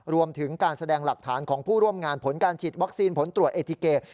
รวมถึงการแสดงหลักฐานของผู้ร่วมงานผลการฉีดวัคซีนผลตรวจเอทีเกต